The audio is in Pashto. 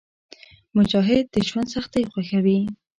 مجاهد د ژوند سختۍ خوښوي.